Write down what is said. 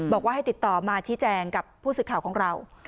บอกว่าให้ติดต่อมาชี้แจงกับผู้สื่อข่าวของเรา